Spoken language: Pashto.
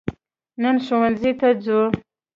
نن ښوونځي ته ځو